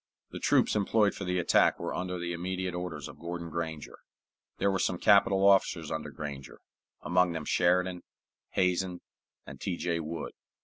The troops employed for the attack were under the immediate orders of Gordon Granger. There were some capital officers under Granger, among them Sheridan, Hazen, and T. J. Wood.